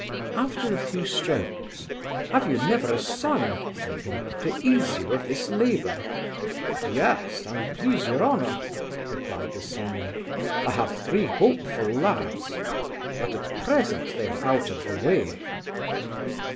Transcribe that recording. After a few strokes, 'Have you never a son (said he) to ease you of this labour?' 'Yes, an please Your honour (replied the senior), I have three hopeful lads, but, at present, they are out of the way.